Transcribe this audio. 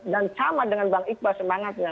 dan sama dengan bang iqbal semangatnya